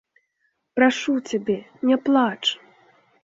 Прашу цябе, не плач!